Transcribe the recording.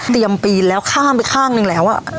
เตรียมปีนแล้วข้ามไปข้างหนึ่งแล้วอ่ะ